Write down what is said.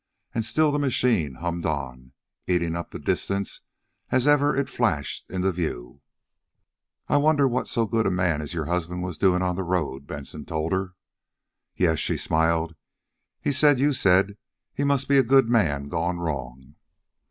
And still the machine hummed on, eating up the distance as ever it flashed into view. "I wondered what so good a man as your husband was doing on the road," Benson told her. "Yes," she smiled. "He said you said he must be a good man gone wrong."